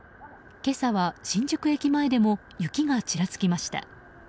今朝は新宿駅前でも雪がちらつきました。